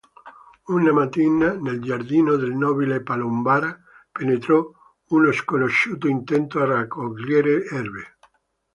Una mattina, nel giardino del nobile Palombara penetrò uno sconosciuto intento a raccogliere erbe.